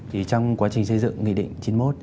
thì trong quá trình xây dựng nghị định chín mươi một